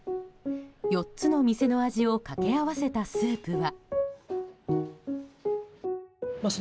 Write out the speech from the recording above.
４つの店の味をかけ合わせたスープは。